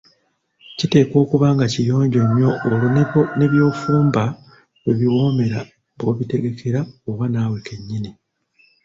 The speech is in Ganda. Kiteekwa okuba nga kiyonjo nnyo olwo ne by'ofumba lwe biwoomera b‘obitegekera oba naawe kennyini.